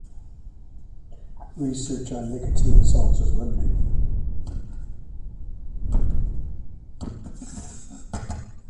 Research on nicotine salts is limited.